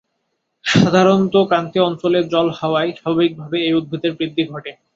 সাধারণত ক্রান্তীয় অঞ্চলের জল-হাওয়ায় স্বাভাবিকভাবে এই উদ্ভিদের বৃদ্ধি ঘটে।